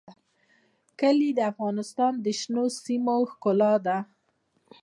کلي د افغانستان د شنو سیمو ښکلا ده.